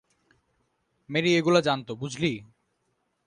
Mary এগুলো জানত, বুঝলি?